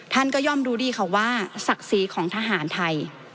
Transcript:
ท่านก็ย่อมรู้ดีค่ะว่าศักดิ์ศรีของทหารไทย